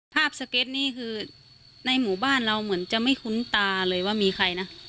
สเก็ตนี่คือในหมู่บ้านเราเหมือนจะไม่คุ้นตาเลยว่ามีใครนะ